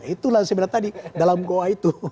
itulah sebenarnya tadi dalam goa itu